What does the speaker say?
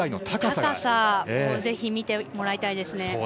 高さをぜひ見てもらいたいですね。